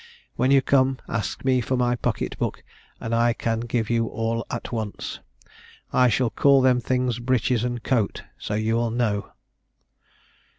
When you come, ask me for my pocket book, and I can give you all at once. I shall call them things breeches and coat, so you will know."